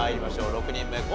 ６人目昴